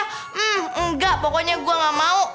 hmm enggak pokoknya gue gak mau